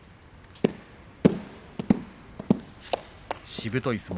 しぶとい相撲